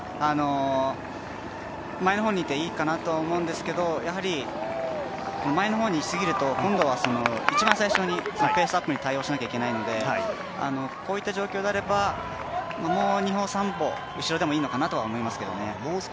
前の方にいていいかなとは思うんですけど前の方に、いすぎるといちばん最初にペースアップに対応しないといけないのでこういった状況であればもう２歩３歩後ろでもいいのかなと思いますけどね。